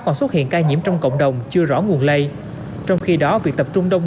còn xuất hiện ca nhiễm trong cộng đồng chưa rõ nguồn lây trong khi đó việc tập trung đông